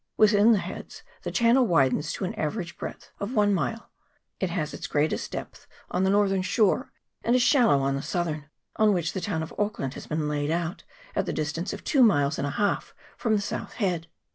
Within the heads the channel widens to an average breadth of one mile ; it has its greatest depth on the northern shore, and is shal low on the southern, on which the town of Auck land has been laid out, at the distance of two miles and a half from the south head.